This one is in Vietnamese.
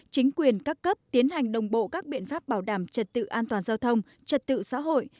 chính quyền các cấp tiến hành đồng bộ các biện pháp bảo đảm trật tự an toàn giao thông trật tự xã hội